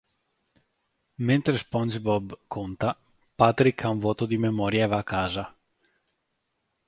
Mentre SpongeBob conta, Patrick ha un vuoto di memoria e va a casa.